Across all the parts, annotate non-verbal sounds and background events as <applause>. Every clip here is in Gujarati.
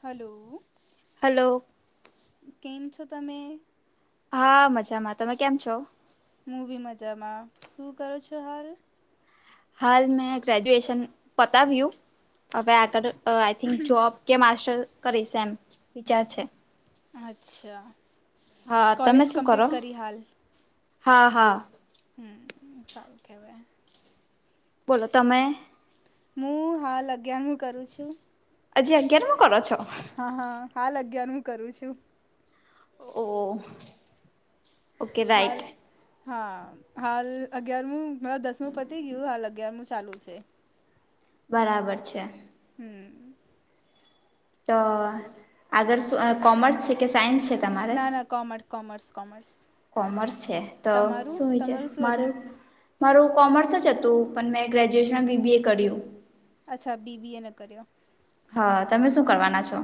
હલો હલો કેમ છો તમે હા મજામાં તમે કેમ છો હુ બી મજામાં શું કરો છો હાલ હાલ મેં ગ્રેજુએશન પતાવ્યુ હવે આગળ આઈ થિંક જોબ કે માસ્ટર કરીશ એમ વિચાર છે અચ્છા હા તમે કોલેજ શું કમ્પ્લીટ કરો કરી હા હા હમ્મ સારું કેવાય બોલો તમે હું હાલ અગ્યાર મુ કરું છું હજી અગિયારમુ કરો છો હા હા હાલ અગિયાર મુ કરું છું ઓ ઓકે રાઈટ હાલો. હા હાલ અગિયારમું મા દસમું પતી ગયું હાલ અગિયારમું ચાલુ છે. બરાબર છે. હમ. તો અગર કોમર્સ છે કે સાયન્સ છે? તમારે ના ના કોમર્સ કોમર્સ કોમર્સ. કોમર્સ છે તો તમારું શું છે તમારું શું મારે. હતું મારું કોમર્સ જ હતું પણ મેં ગ્રેજ્યુએશનમાં બી બી એ કર્યું. અચ્છા બી બી એ ના કર્યો. હા સારું તમે શું કહેવાય કરવાના છો?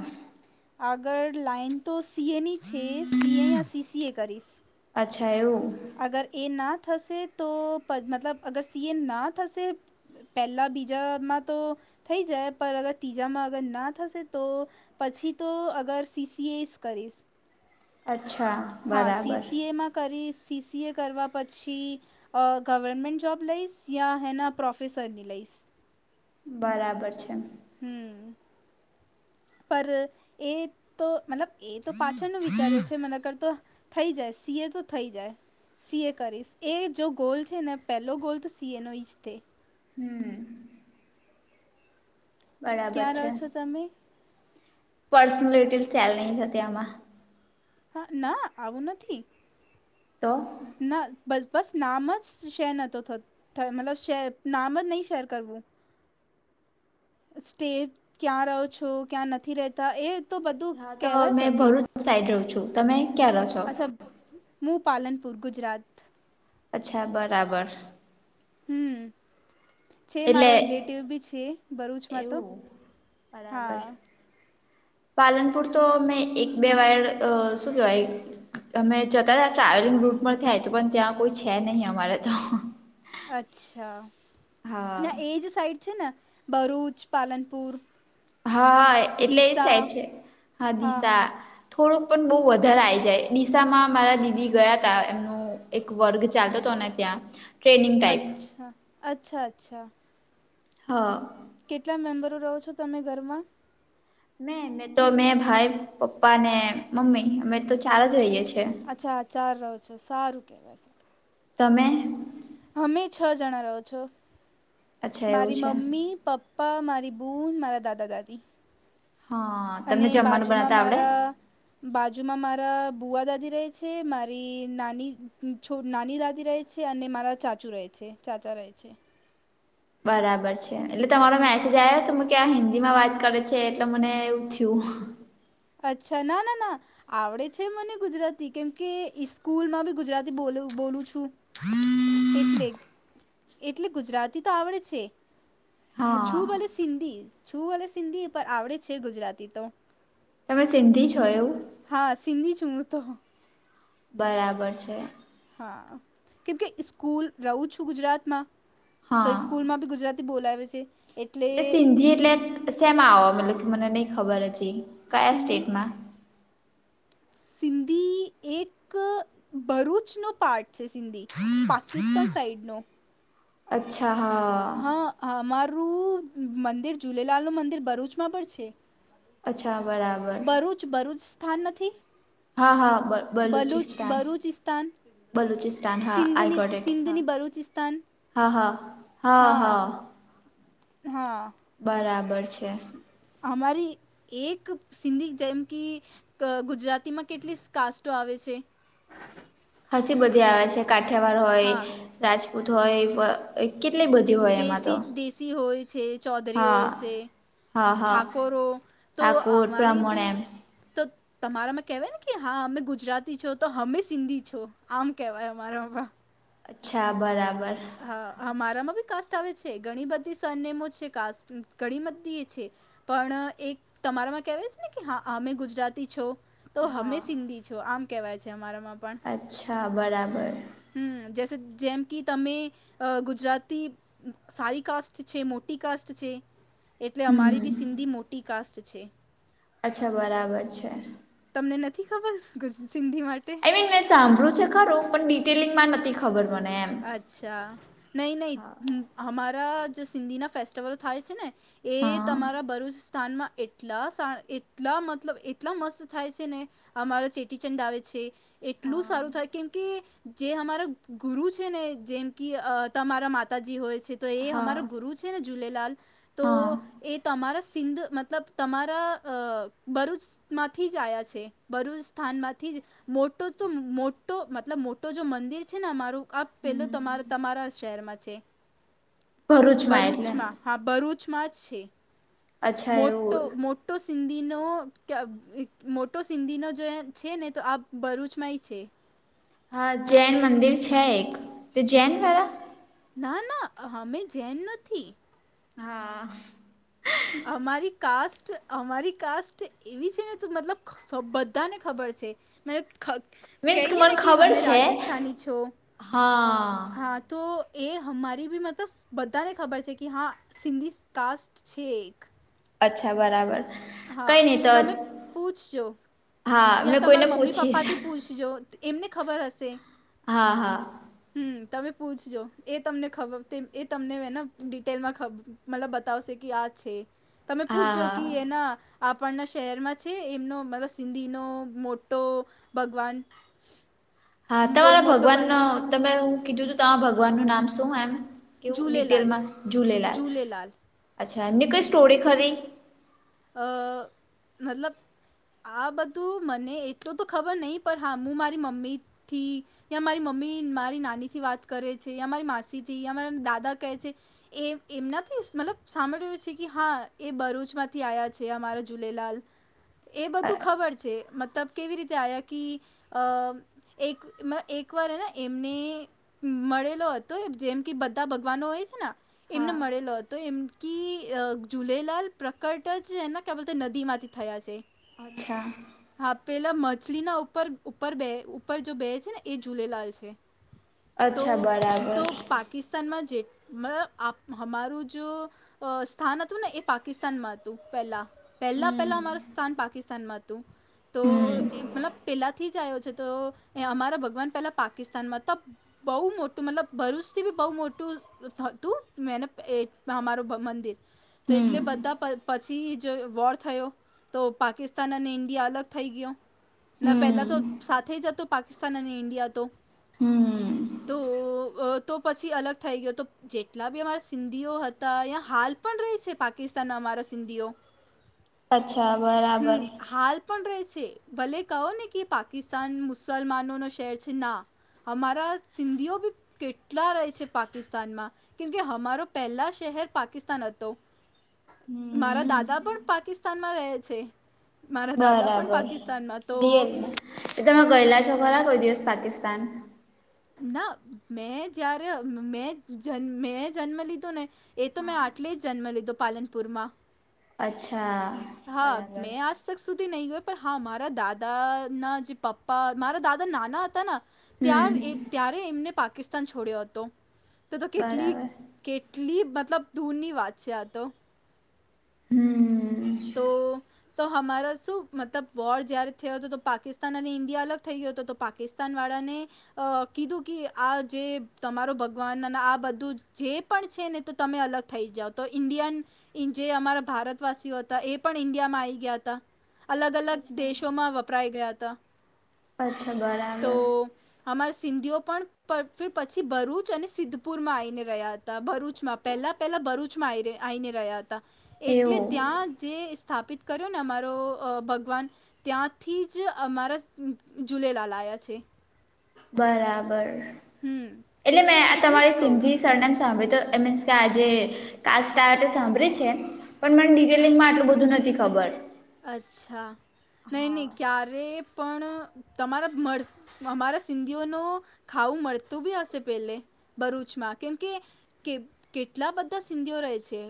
આગળ લાાઈન તો સી એની છે સીએ યાં સી સીએ કરીશ. અચ્છા એવુ. અગર એ ના થશે તો મતલબ અગર સી એ ના થશે. પહેલા બીજામાં તો, થઈ જાય પણ અગર ત્રીજામાં અગર ના થશે તો. પછી તો અગર સી સી એસ કરીશ. અચ્છા. હા બરાબર સીસી એમાં કરી સી સીએ કરવા પછી અ ગવર્મન્ટ જોબ લઈશ યા હેના પ્રોફેસરની લઈશ. બરાબર છે. હમ. પર એ તો મતલબ એ તો પાછળનું વિચાર્યું છે મને કરતો. થઈ જાય સી એ તો થઈ જાય. સી એ કરીશ એ જો ગોલ છે ને પહેલો ગોલ તો સીએનો જ થ. હમ. બરાબર ક્યાં રહો છો તમે? પર્સનલિટી ચેલ નહી હતી આમાં. હા ના આવું નથી. તો ના બસ બસ નામ જ શે નતો થતો થ મતલબ શેર નામ જ નહી શેર કરવું સ્ટેજ ક્યાં રહો છો ક્યાં નથી રહેતા એ તો બધું કહેવાય શકે. હું સાઈડ રહું છું તમે ક્યારે છો? મુું પાલનપુર ગુજરાત. અચ્છા બરાબર. હમ. છે એટલે મારા રિલેટિવ બી છે ભરૂચમાં તો એવું બરાબર હા પાલનપુર તો મેં એક બે વાયર શું કેવાય અમે જતા હતા ટ્રાવેલિંગ રૂટ પર થાય તોું પણ ત્યાં કોઈ છે નહીિ અમારે તો અચ્છા ના હા એ જ સાઈડ છે ને ભરૂચ પાલનપુર હા હા એટલે એ ડીસા સાઈડ છે હા દિશા થોડુંક પણ બહુ વધારે આ જાય નિિસામાં મારા દીદી ગયા તા એમનું એક વર્ગ ચાલતો હતો ને ત્યાં ટ્રેનિંગ ટાઈપ અચ્છા અચ્છા અચ્છા હા કેટલા મેમ્બરો રહો છો તમે ઘરમાં મેં મેં તો મેં ભાઈ પપ્પા ને મમ્મી અમે તો ચાર જ રહીએ છીએ અચ્છા આચાર રહ છો સારું કહેવાય તમે અમે છ જણા રહો છો અચ્છા એવું મારી છે મમ્મી પપ્પા પપ્પા મારી બૂન મારા દાદા દાદી હા અને તમને જમવાનું બાજુમાં બનાવતા આવડે મારા બાજુમાં મારા બુવા દાદી રહે છે મારી નાની નાની દાદી રહે છે છે અને મારા ચાચુ રહે છે ચાચા રહે છે બરાબર છે એટલે તમારો હમ મેસેજ આવ્યો તો કે આ હિન્દી માં વાત કરે છે એટલે મને એવું થયું અચ્છા ના ના ના આવડે છે મને ગુજરાતી કેમકે ઇકૂલમાં બી ગુજરાતી બોલ બોલું છું એટલે ગુજરાતી તો આવડે છે હ હા છું ભલે સિંધી છું ભલે સિંધી પણ આવડે છે ગુજરાતી તો તમે સિન્ંધી છ હા સિંધી છુંું તો બરાબર છે હા કેમ કે સ્કૂલ રહું છું ગુજરાતમાં તો હા સ્કૂલમાં બી ગુજરાત બોલાવે છે એટલે સિંધી એટલે સેમ આવ મત કે મને નહ ખબર જ સિંધી સિંધી એક ભરૂચનો પાર્ટ છ સિંધી પાકિસ્તાન સાઈડનો અચ્છા હા હ અમારું મંદિર ઝૂલેલાલનું મંદિર ભરૂચમાં પણ છે અચ્છા બરાબર ભરૂચ ભરૂચ સ્થાન નથી હા હા બ બલુચ બલુચિસ્તાન ભરૂચ સ્થાન બલુચિસ્તાન હા આઈ સિંધની ગોટ ઇટ હા સિંધની બરૂુચિસ્તાન હા હા હા હા હા બરાબર છે હમારી એક સિંધી જેમ કે ક ગુજરાતીમાં કેટલી કાસ્ટો આવે છે હસી બધી આવે છે કાઠિયાવાડ હોય રાજપૂત હોય કેટલી બધી દ હોય એમાં તો દેશી હોય છે ચૌધરી હા હોય છે હા હા ઠાકોર હો તો ઠાકોર અમારી બ્રાહ્મણ ભી એમ તો તમારામાં કેવાય ને કે હા અમે ગુજરાતી છો તો અમે સિંધી છો આમ કેવાય અમારામાં અચ્છા બરાબર હા હ મારામાં બી કાસ્ટ આવે છે ઘણી બધી સરનેમો છે કાસ્ટ ઘણી બધી એ છે પણ એક તમારામાં કેવાય છે ને કે હા અમે ગુજરાતી છો તો હમે હા સિંધી છો આમ કેવાય છે અમારામાં પણ અચ્છા બરાબર હમ્મ જે જેમ કે તમે ગુજરાતી સારી કાસ્ટ છે મોટી કાસ્ટ છે એટલે અમારી બી હમ સિંધી મોટી કાસ્ટ છે અચ્છા બરાબર છે તમને નથી ખબર સિંધી માટે મે સાંભળ્યું છે ખરું પણ ડિટેલિંગ માં નથી ખબર મને એમ અચ્છા નહીં હા નહીં અમારા જો સિંધીના ફેસ્ટિવલો થાય છે ને એ હા તમારા ભરૂચ સ્થાનમાં એટલા સા એટલા મતલબ એટલા મસ્ત થાય છે ને અમારો ચેટીચંડ આવે છે એટલું હા સારું થાય કેમ કે જે અમારા ગુરુ છે ને જેમ કે તમારા માતાજી હોય છે તો એ અમારો હા ગુરુ છે ને જુલેલાલ તો હા એ તમારા સિંધ મતલબ તમારા અ ભરૂચમાંથી જ આવ્યા છે ભરૂચ સ્થાનમાંથી જ મોટો તો મોટો મતલબ મોટો જો મંદિર છે ને અમારું આ પેલું તમારા તમારા શહેરમાં છે ભરૂચમાં હા ભરૂચમાં જ છે અચ્છા મોટો એવું મો મોટો સિંધીનો મોટો સિંધીનો જો છે ને તો આ ભરૂચમાંય છે હા જૈન મંદિર છે એક તે જૈન વાળ ના ના અમે જેન નથી હા <inaudible> અમારી કાસ્ટ અમારી કાસ્ટ એવી છે ને ત મતલબ બધાને ખબર છે મતબ ખા મીન્સ કહીએ ને મને કે ખબર અમે છે રાજસ્થાની છો હા હા તો એ અમારી બી મતલબ બધાને ખબર છે કે હા સિંધી કાસ્ટ છે એક અચ્છા બરાબર હા કંઈ નહીં તો તમે પૂછજો હા યાં મેં કોઈને તમારા મમ્મી પૂછીશ પપ્પાથી પૂછજો એમને ખબર હશે હા હા હમ્મ તમે પૂછજો એ તમને ખબર એ તમને હને ડિટેલમાં ખબ મતલબ બતાવશે કે આ છે તમે હા પૂછજો હા કે એના આપણના શહેરમાં છે એમનો મતલબ સિંધીનો મોટો ભગવાન હા બો તમારા મોટો ભગવાન બંદીન ન તમે હું કીધું તું તમારા ભગવાન ન નામ શું એમ કેવું ઝૂલેલાલ ડિટેલમાં ઝુલેલાલ ઝૂલેલાલ અચ્છા એમની કઈ સ્ટોરી ખરી અ મતલબ આ બધું મને એટલું તો ખબર નહી પણ હા હું મારી મમ્મી થી યા મારી મમ્મી મારી નાની થી વાત કરે છે યા મારી માસી થી યા મારા દાદા કહે છે એ એમનાથી મતલબ સાંભળ્યું છે કે હા એ ભરૂચમાં થી આવ્યા છે અમારા ઝૂલેલાલ, એ બધું ખબર છે મતલબ કેવી રીતે આવ્યા કે, એક એકવારને એમને મળેલો હતો જેમ કે બધા ભગવાનો હોય છે ને. એમને હા મળેલો હતો એમ ક ઝૂલેલાલ પ્ર કટ જને કે બોલ નદીમાંથી થયા છે અચ્છા હા પેલા મછલીના ઉપર ઉપર બે ઉપર જો બે છે ને એ ઝૂલેલાલ છે તો અચ્છા તો બરાબર પાકિસ્તાનમાં જે મ આપ અમારું જો અ સ્થાન હતું ને એ પાકિસ્તાન માં હતું પહેલા પહેલા હમ પહેલા અમાર સ્થાન પાકિસ્તાનમાં હતું તો હમ એ મતલબ પહેલાંથી જ આવ્યો છે તો, એ અમારા ભગવાન પહેલાં પાકિસ્તાનમાં ત બહુ મોટું મતલબ ભરૂચથી બી બહુ મોટું. તું મેને અમારું મંદિર, તો હમ એટલે બધા પછી જો વોર થયો, તો પાકિસ્તાન અને ઇન્ડિયા અલગ થઈ ગયો. ન હમ પહેલા તો સાથે જ હતો પાકિસ્તાન અને ઇન્ડિયા તો. હમ. તો તો પછી અલગ થઈ ગયો તો જેટલા બી અમારા સિંધીઓ હતા અ્યાં હાલ પણ ર છે પાકિસ્તાનના અમારા સિંધઓ. અચ્છા બરાબર. છે ભલે કહો ને કે પાકિસ્તાન મુસલમાનો નો શહેર છે ના. અમાારા સિંધીઓ ભી કેટલા રહે છે પાકિસ્તાનમાં, કેમકે અમારો પહેલા શહેર પાકિસ્તાન હતો. મારા હમ દાદા પણ પાકિસ્તાનમાં રહે છે. મારા દાદા પણ પાકિસ્તાનમાં તો એ તમે ગયેલા છો ખરા કોઈ દિવસ પાકિસ્તાન? ના મેં જ્યારે મેં મેં જન્મ લીધો ને. એ તો મેં હા આટલી જ જન્મ લીધો પાલનપુરમાં. અચ્છા. હા બરાબર મેં આજ તક સુધી નહીં હોય પણ હા મારા દાદા ના જે પપ્પા મારા દાદા નાના હતા. ત હમ એ ત્યારે એમને પાકિસ્તાન છોડ્યો હતો, તો તો કેટલી બરાબર કેટલી મતલબ ધૂરની વાત છે આ તો. હમ. તો તો અમારા શું મતલબ વોર જયારે થયો હતો તો પાકિસ્તાન અને ઇન્ડિયા અલગ થઈ ગયો હતો તો પાકિસ્તાનવાળાને. અ કીધું કે આ જે તમારો ભગવાન અને આ બધું જે પણ છે ને. તો તમે અલગ થઈ જાઓ તો ઇન્ડિયન જે અમારા ભારતવાસીઓ હતા. એ પણ ઇન્ડિયામાં આ આવી ગયા હતા, અલગ અલગ અચ્છા દેશોમાં વપરાઈ ગયા હતા. અચ્છા તો બરાબર અમારા સિંધીઓ પણ પછી ભરૂચ અને સિદ્ધપુરમાં આવીને રહ્યા હતા. ભરૂચમાં પહેલા પહેલા ભરૂચમાં આવીને રહ્યા હતા, એટલે એવું ત્યાં જે સ્થાપિત કર્યો ને અમારો ભગવાન. ત્યાંથી જ અમારા ઝૂલેલાલ આવ્યા છે. બરાબર, હમ એટલે મેં આ એટલે જ તમારી કહું સિંધી સરનેમ સાંભળ્યું તો એમીન્સ આજે, કાસ સાંભળી છે, પણ મને ડિટેલિંગમાં આટલું બધું નથી ખબર. અચ્છા, નહીં હા નહીં ક્યારે પણ તમારા મળ અમારા સિંધીઓ ન ખાવું મળતું બી હશે પેલે ભરૂચમાં કેમકે કે કેટલા બધા સિંધીઓ રહે છે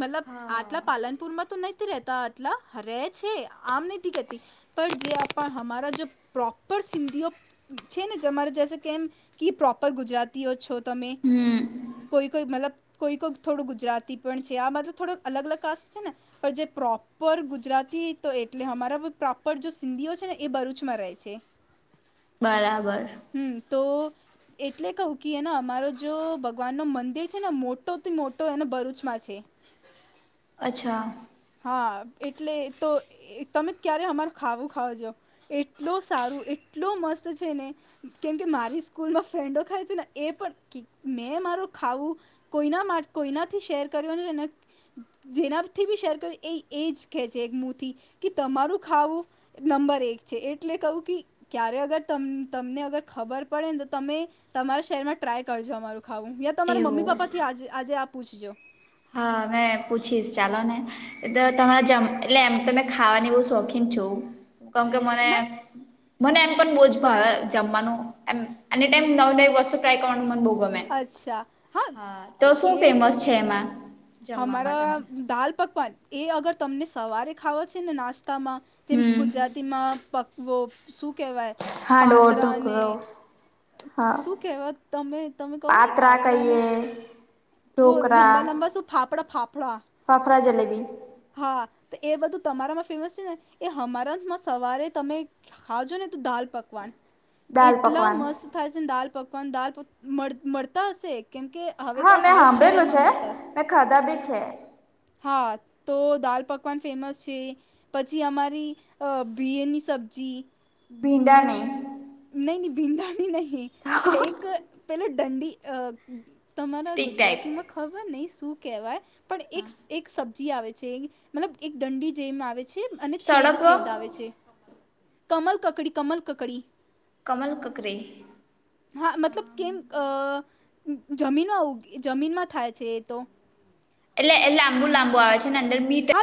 મતલબ આટલા હા પાલનપુરમાં તો નથીહ રહેતા આટલા ર છે આમ નથીહ ગતી પર જે આપ હરા જો પ્રોપર સિંધીઓ છે ને તમારે જસે કેમ કે પ્રોપર ગુજરાતીઓ છો તમે હમ કોઈ કોઈ મતલબ કોઈ કોઈ થોડું ગુજરાતી પણ છે આ મતલબ થોડો અલગ અલગ કાસ્ટ છે ને. પ જે પ્રોપ પર ગુજરાતી તો એટલે અમારા પ્રોપર જો સિંધીઓ છે ને એ ભરૂચમાં રહે છે. <inaudible> બરાબર. હમ તો એટલે કહું કે એને અમારો જો ભગવાન ન મંદિર છે ને મોટોથી મોટો એને ભરૂચમાં છે. હ અચ્છા હા એટલે તો તમે ક્યારે અમાર ખાવું ખાવજો એટલો સારું એટલો મસ્ત છે ને કેમકે મારી સ્કૂલમાં ફ્રેન્ડો ખાય છે ને એ પણ મેં મારું ખાવું. કોઈના માટે કોઈનાથી શેર કર્યો અને જેનાથી બી શેર કર્યો એ એ જ કહે છે એક મથી કે તમારું ખાવું નંબર એક છે એટલે કહું કે ક્યારે અગર તમને અગર ખબર પડે ને તો તમે તમારા શહેર માં ટ્રાય કરજો અરું ખાવું યા તમારા મમ્મી એવું પપ્પા થી આજે આ પૂછજો હા મેં પૂછીશ ચાલોને એ તમારા જમ એટલે એમ તમે ખાવાની બહ શોખીન છો. કમ કે મને ના મને એમ પણ બહુ જ ભાવે જમવાનું એમ એની ટાઈમ નવ નવી વસ્તુ ફ્રાય કરવાનું મને બહુ ગમે હા તો શું ફેમસ છે એમાં જમવામાં અમારા તમારે દાલ પકવાન એ અગર તમને સવારે ખાવો છે ને નાસ્તામાં જેમ કે હમ ગુજરાતીમાં પકવો શું કહેવાય હાંડવો પાત્રાને ઢોકળો હા શું કેહેવા તમે તમે કહો ને પાત્રા ને વ લંબા લંબા શું ફાફડા ફાફડા ફાફ્રડા જલેબી હા તો એ બધું તમારામાં ફેમસ છે ને એ અમારામાં સવારે તમે ખાજો ને તું દાલ પકવાન દાલ એટલા પકવાન મસ્ત થાય છેને દાલ પકવાન દાલ મળતા હશે કેમ કે હા મેં સાંભળેલું છે મેં ખાધા બી છે. હા તો દાલ પકવાન ફેમસ છે. પછી અમારી અ બીયની સબ્જી બિંડા ન નહી નહી ભીંડાની નહીિ હ એક પેલો દંડી અ તમારા સ્ટીક ટાઈપ ગુજરાતીમાં ખબર નહ શું કેહેવાય પણ એક એક સબ્જી આવે છે. મતલબ એક દંડી જેમ આવે છે અને છેદ સડકો છેદ આવે છે. કમલ કકડી કમલ કકડી કમલ કકરે હા મતલબ કેમ જમીનમાં જમીનમાં થાય છે એ તો એટલે એ લાંબુ લાંબુ આવે છે ને અંદર મીટર